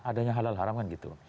adanya halal haram kan gitu